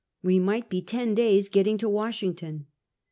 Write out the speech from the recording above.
We might be ten days getting to Washington.